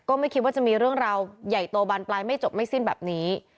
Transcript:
ไม่คิดว่าจะมีเรื่องราวใหญ่โตบานปลายไม่จบไม่สิ้นแบบนี้